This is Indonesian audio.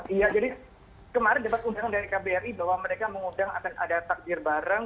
iya jadi kemarin dapat undangan dari kbri bahwa mereka mengundang akan ada takdir bareng